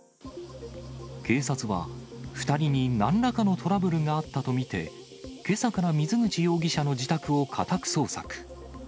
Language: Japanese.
警察は、２人になんらかのトラブルがあったと見て、けさから水口容疑者の自宅を家宅捜索。